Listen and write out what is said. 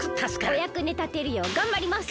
おやくにたてるようがんばります。